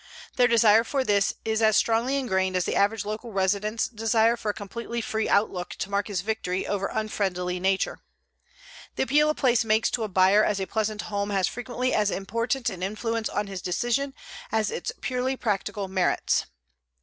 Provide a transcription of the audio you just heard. Their desire for this is as strongly ingrained as the average local resident's desire for a completely free outlook to mark his victory over unfriendly nature. The appeal a place makes to a buyer as a pleasant home has frequently as important an influence on his decision as its purely practical merits.